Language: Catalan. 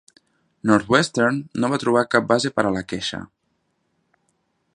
Northwestern no va trobar cap base per a la queixa.